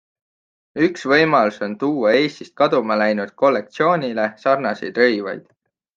Üks võimalus on tuua Eestist kaduma läinud kollektsioonile sarnaseid rõivad.